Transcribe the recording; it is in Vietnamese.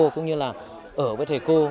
cũng như là ở với thầy cô